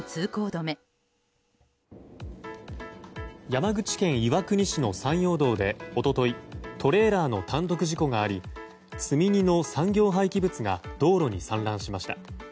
山口県岩国市の山陽道で一昨日トレーラーの単独事故があり積み荷の産業廃棄物が道路に散乱しました。